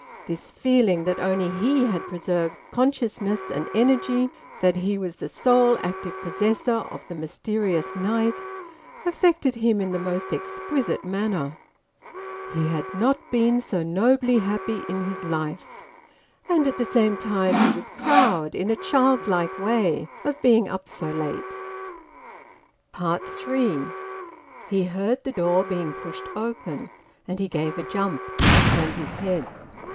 This feeling that only he had preserved consciousness and energy, that he was the sole active possessor of the mysterious night, affected him in the most exquisite manner. He had not been so nobly happy in his life. And at the same time he was proud, in a childlike way, of being up so late. THREE. He heard the door being pushed open, and he gave a jump and turned his head.